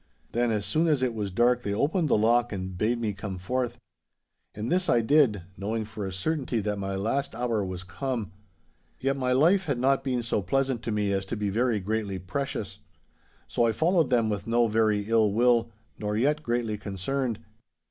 Then as soon as it was dark they opened the lock and bade me come forth. And this I did, knowing for a certainty that my last hour was come. Yet my life had not been so pleasant to me as to be very greatly precious. So I followed them with no very ill will, nor yet greatly concerned.